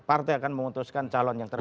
partai akan memutuskan calon yang terbaik